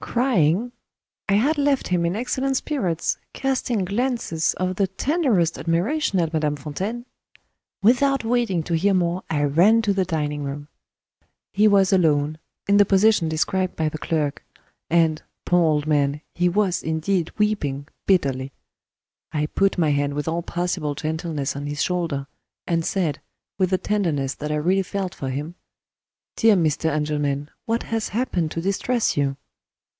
Crying? I had left him in excellent spirits, casting glances of the tenderest admiration at Madame Fontaine. Without waiting to hear more, I ran to the dining room. He was alone in the position described by the clerk and, poor old man, he was indeed weeping bitterly! I put my hand with all possible gentleness on his shoulder, and said, with the tenderness that I really felt for him: "Dear Mr. Engelman, what has happened to distress you?"